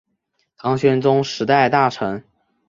唐玄宗时代大臣。